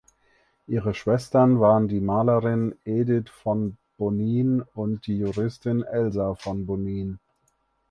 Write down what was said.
Ihre Schwestern waren die Malerin Edith von Bonin und die Juristin Elsa von Bonin.